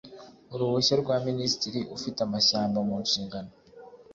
uruhushya rwa Minisitiri ufite amashyamba mu nshingano